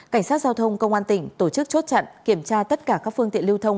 cảnh sát giao thông công an tỉnh tổ chức chốt chặn kiểm tra tất cả các phương tiện lưu thông